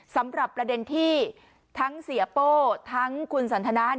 สำหรับประเด็นที่ทั้งเสียโป้ทั้งคุณสันทนา